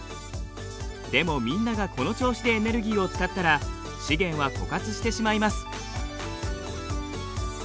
でもみんながこの調子でエネルギーを使ったら資源は枯渇してしまいます。